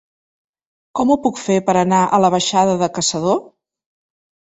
Com ho puc fer per anar a la baixada de Caçador?